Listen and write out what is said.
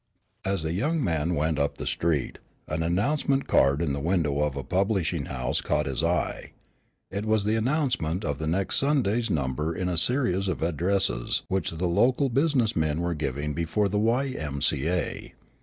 As the young man went up the street, an announcement card in the window of a publishing house caught his eye. It was the announcement of the next Sunday's number in a series of addresses which the local business men were giving before the Y.M.C.A.